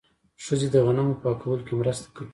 ښځې د غنمو په پاکولو کې مرسته کوي.